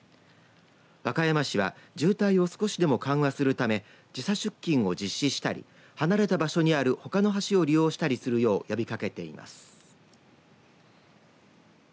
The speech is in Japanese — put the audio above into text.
和歌山市は渋滞を少しでも緩和するため時差出勤を実施したり離れた場所にあるほかの橋を利用したりするよう呼びかけています。